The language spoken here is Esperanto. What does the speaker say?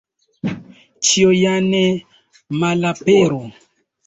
Ĉio ja ne malaperu.